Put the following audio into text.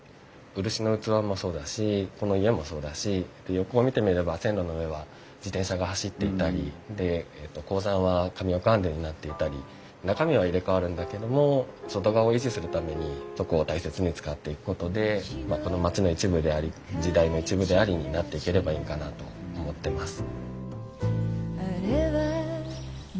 漆の器もそうだしこの家もそうだし横を見てみれば線路の上は自転車が走っていたりで鉱山はカミオカンデになっていたり中身は入れ代わるんだけども外側を維持するためにそこを大切に使っていくことでまあこの町の一部であり時代の一部でありになっていければいいんかなと思ってます。